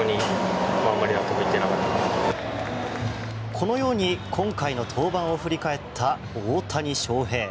このように今回の登板を振り返った大谷翔平。